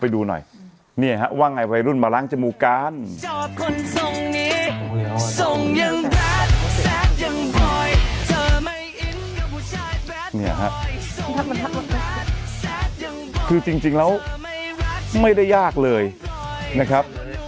คือจริงแล้วไม่ได้ยากเลยนะครับ